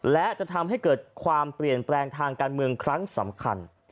และจะทำให้เกิดความเปลี่ยนแปลงทางการเมืองครั้งสำคัญ